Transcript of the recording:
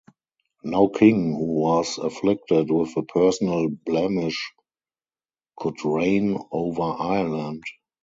No king who was afflicted with a personal blemish could reign over Ireland.